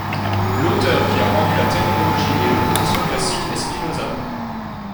L'auteur qui a rendu la terminologie et l'opposition classiques est Spinoza.